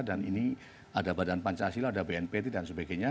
dan ini ada badan pancasila ada bnpt dan sebagainya